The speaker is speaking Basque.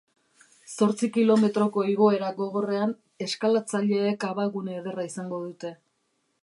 Zortzi kilometroko igoera gogorrean, eskalatzaileek abagune ederra izango dute.